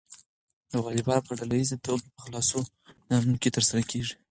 واليبال په ډله ییزه توګه په خلاصو میدانونو کې ترسره کیږي.